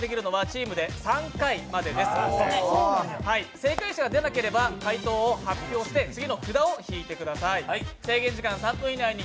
正解者が出なければ回答を発表して次の札を引いてください。